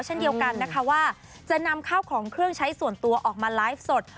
เช่นเดียวกันนะคะว่าจะนำข้าวของเครื่องใช้ส่วนตัวออกมาไลฟ์สด